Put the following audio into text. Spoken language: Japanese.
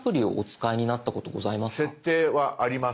「設定」はあります。